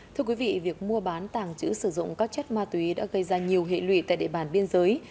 thưa quý vị việc mua bán tàng trữ sử dụng các chất ma túy đã gây ra nhiều hệ lụy tại địa bàn biên giới